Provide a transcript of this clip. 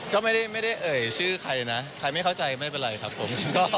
ก็ไม่ได้เอ๋ชื่อใครนะใครไม่เข้าใจมันปัจฉันครับผม